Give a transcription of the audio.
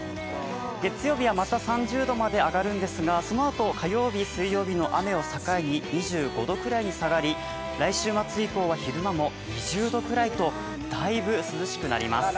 月曜日はまた３０度まで上がるんですが、そのあと火曜日、水曜日の雨を境に２５度くらいに下がり、来週末以降は昼間も２０度ぐらいとだいぶ涼しくなります。